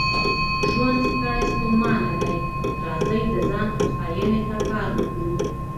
ژوند ستړی ستومانه دی، راځئ د ځان هوساینې ته کار وکړو.